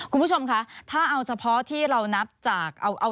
คุณผู้ชมคะถ้าเอาเฉพาะที่เรานับจากเอา